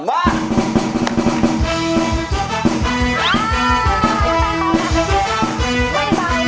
มา